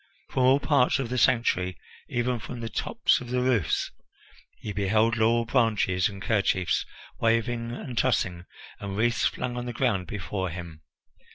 From all parts of the sanctuary, even from the tops of the roofs, he beheld laurel branches and kerchiefs waving and tossing, and wreaths flung on the ground before him.